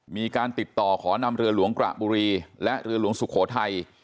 มีการติดต่อขอนำเรือหลวงกระบุรีและเรือหลวงสุโขทัย